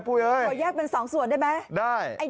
ก็แยกเป็นสองส่วนได้ไหมได้